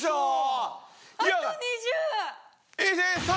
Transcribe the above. あと２０！